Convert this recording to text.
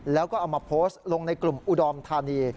แล้วก็เอามาโพสต์ลงในกลุ่มอุดรธานี